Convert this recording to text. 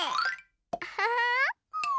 アハハー！